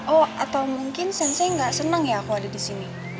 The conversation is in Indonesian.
oh atau mungkin sensei gak seneng ya aku ada disini